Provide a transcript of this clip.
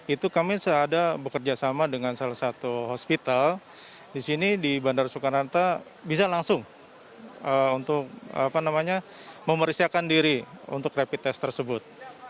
itu kami seada bekerjasama dengan salah satu hospital di sini di bandara soekarno hatta bisa langsung untuk memeriksakan diri untuk rapid test tersebut